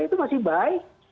itu masih baik